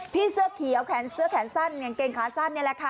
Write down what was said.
พี่เสื้อขี่เอาแขนเสื้อแขนสั้นเงินเกงขาสั้นเนี่ยแหละค่ะ